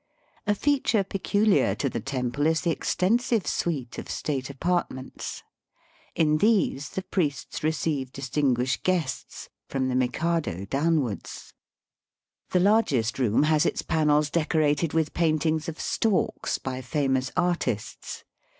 A feature peculiar to the temple is the extensive suite of state apartments. In these the priests receive Digitized by VjOOQIC TEMPLES AND WOBSHIPPEBS. 81 distinguished guests, from the Mikado down wards. The largest room has its panels decorated with paintings of storks by famous artists.